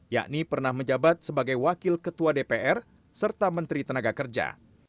yakni pernah menjabat sebagai wakil ketua dpr serta menteri tenaga kerja